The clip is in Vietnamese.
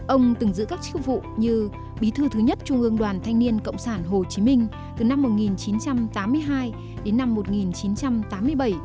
ông từng giữ các chức vụ như bí thư thứ nhất trung ương đoàn thanh niên cộng sản hồ chí minh từ năm một nghìn chín trăm tám mươi hai đến năm một nghìn chín trăm tám mươi bảy